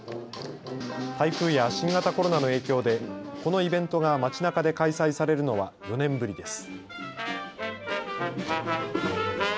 台風や新型コロナの影響でこのイベントが街なかで開催されるのは４年ぶりです。